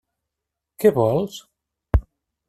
Què vols?